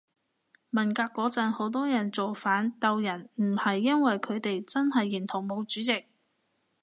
文革嗰陣好多人造反鬥人唔係因爲佢哋真係認同毛主席